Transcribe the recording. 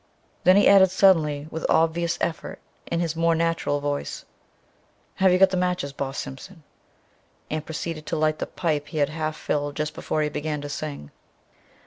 Then he added suddenly with obvious effort, in his more natural voice, "Have you got the matches, Boss Simpson?" and proceeded to light the pipe he had half filled just before he began to sing.